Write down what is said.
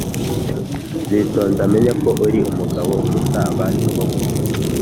nzitonda menye ko uri umugabo uruta abandi koko."